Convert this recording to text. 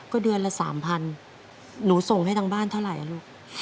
ก็เดือนละ๓๐๐หนูส่งให้ทางบ้านเท่าไหร่ลูก